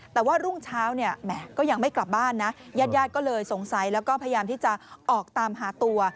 แต่ว่ารุ่งเช้าเนี่ยแหมก็ยังไม่กลับบ้านนะญาติญาติก็เลยสงสัยแล้วก็พยายามที่จะออกตามหาตัว